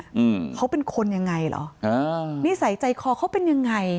อืมเขาเป็นคนยังไงเหรออ่านิสัยใจคอเขาเป็นยังไง